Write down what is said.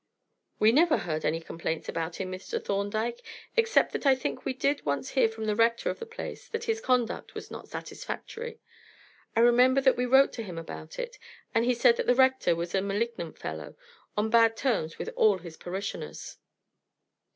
"We never heard any complaints about him, Mr. Thorndyke, except that I think we did once hear from the Rector of the place that his conduct was not satisfactory. I remember that we wrote to him about it, and he said that the Rector was a malignant fellow, on bad terms with all his parishioners."